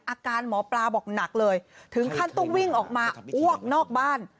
อาการหมอปลาบอกหนักเลยถึงขั้นต้องวิ่งออกมาอ้วกนอกบ้าน